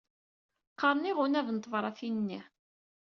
Qaren iɣunab n tebṛatin-nni.